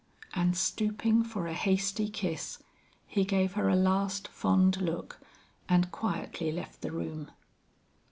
And stooping for a hasty kiss, he gave her a last fond look and quietly left the room.